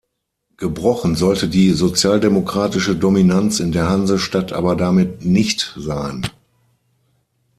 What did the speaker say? Gebrochen sollte die sozialdemokratische Dominanz in der Hansestadt aber damit nicht sein.